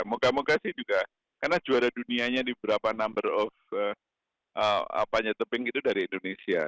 moga moga sih juga karena juara dunianya di beberapa number of panjat tebing itu dari indonesia